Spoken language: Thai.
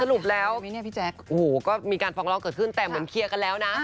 สรุปแล้วก็มีการฟองร้องเกิดขึ้นแต่เหมือนเคลียร์กันแล้วนะ